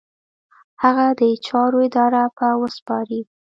هغه د چارو اداره به وسپاري.